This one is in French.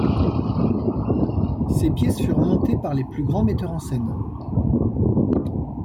Ses pièces furent montées par les plus grands metteurs en scène.